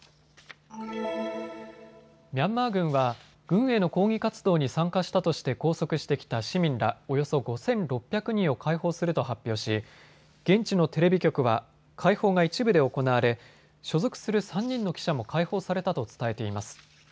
ミャンマー軍は軍への抗議活動に参加したとして拘束してきた市民らおよそ５６００人を解放すると発表し現地のテレビ局は解放が一部で行われ所属する３人の記者も解放されたと伝えています。